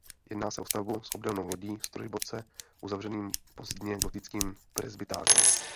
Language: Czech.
Jedná se o stavbu s obdélnou lodí s trojboce uzavřeným pozdně gotickým presbytářem.